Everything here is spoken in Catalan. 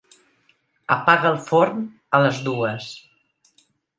Apaga el forn a les dues.